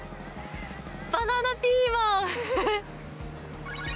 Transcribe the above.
バナナピーマン。